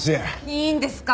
いいんですか！？